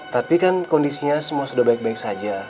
tapi kan kondisinya semua sudah baik baik saja